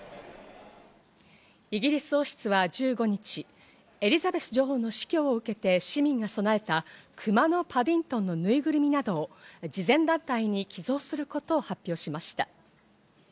イギリス王室は１５日、エリザベス女王の死去を受けて市民が供えた『くまのパディントン』のぬいぐるみなどを慈善団体に寄贈することを発表しました。